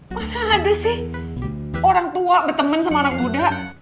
mana ada sih orang tua berteman sama anak muda